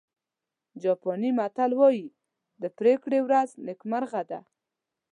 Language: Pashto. جاپاني متل وایي د پرېکړې ورځ نیکمرغه ده.